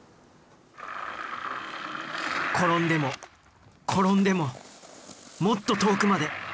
転んでも転んでももっと遠くまで！